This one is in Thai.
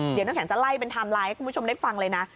เดี๋ยวน้ำแข็งจะไล่เป็นไทม์ไลน์ให้คุณผู้ชมได้ฟังเลยนะ